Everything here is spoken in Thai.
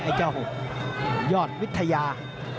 ไอ้เจ้าหกยอดวิทยา